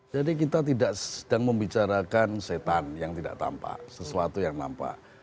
jadi kita tidak sedang membicarakan setan yang tidak tampak sesuatu yang nampak